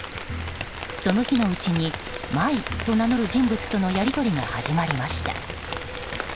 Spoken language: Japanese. その日のうちにマイと名乗る人物とのやり取りが始まりました。